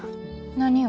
何を？